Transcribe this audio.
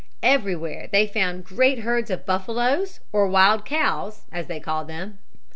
Everywhere they found great herds of buffaloes, or wild cows, as they called them.